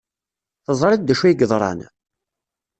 Teẓriḍ d acu i yeḍran?